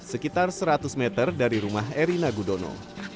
sekitar seratus meter dari rumah erina gudono